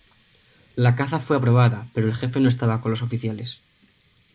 La caza fue aprobada, pero el jefe no estaba con los oficiales.